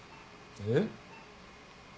えっ？